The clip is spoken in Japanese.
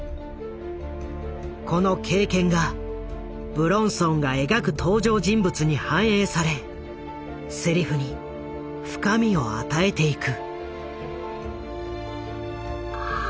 この経験が武論尊がえがく登場人物に反映されセリフに深みを与えていく。